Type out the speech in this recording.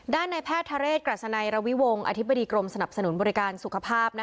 ในแพทย์ทะเรศกรัศนัยระวิวงศ์อธิบดีกรมสนับสนุนบริการสุขภาพ